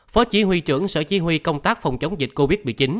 phó chỉ huy trưởng sở chí huy công tác phòng chống dịch covid một mươi chín